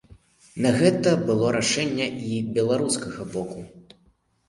На гэта было рашэнне і беларускага боку.